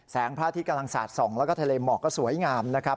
พระอาทิตย์กำลังสาดส่องแล้วก็ทะเลหมอกก็สวยงามนะครับ